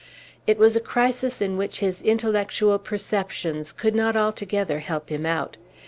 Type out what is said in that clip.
It was a crisis in which his intellectual perceptions could not altogether help him out.